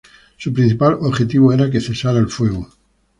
Su principal objetivo era que cesara el fuego.